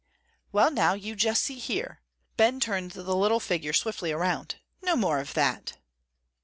"Well, now, you just see here," Ben turned the little figure swiftly around; "no more of that."